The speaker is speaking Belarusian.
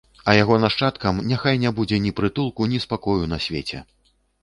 А яго нашчадкам няхай не будзе ні прытулку, ні спакою на свеце!